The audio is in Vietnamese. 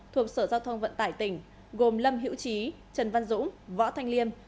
thuộc sở giao thông vận tải tỉnh gồm lâm hữu trí trần văn dũng võ thanh liêm